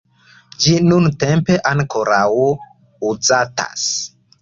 Ĝi nuntempe ankoraŭ uzatas.